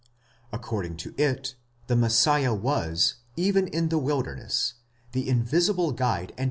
Accord ing to it, the Messiah was, even in the wilderness, the invisible guide and.